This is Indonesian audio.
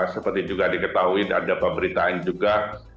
seperti juga diketahui ada pemberitaan juga